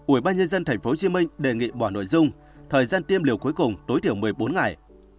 ubnd tp hcm đề nghị bỏ nội dung thời gian tiêm liều cuối cùng tối thiểu một mươi bốn ngày